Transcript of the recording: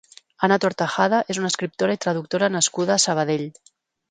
Ana Tortajada és una escriptora i traductora nascuda a Sabadell.